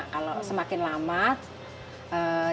kalau semakin lama jangkanya lebih jauh